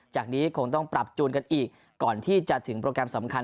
จากนี้คงต้องปรับจูนกันอีกก่อนที่จะถึงโปรแกรมสำคัญ